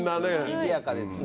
にぎやかですね。